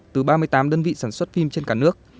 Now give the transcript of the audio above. từ ba mươi tám đơn vị sản xuất phim trên cả nước